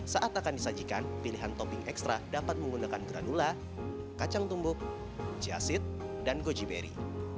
saat akan disajikan pilihan topping ekstra dapat menggunakan granula kacang tumbuk jiasid dan goji berry